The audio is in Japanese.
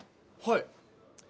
はい。